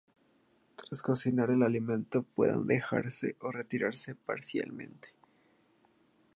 Tras cocinar el alimento, pueden dejarse o retirarse parcialmente.